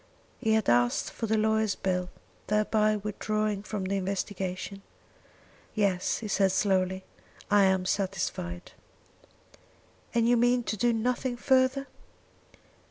He had asked for the lawyer's bill, thereby withdrawing from the investigation. "Yes," he said slowly; "I am satisfied." "And you mean to do nothing further?"